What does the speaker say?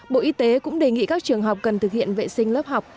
bộ y tế cũng đề nghị các trường học cần thực hiện vệ sinh lớp học